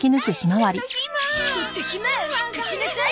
貸しなさい。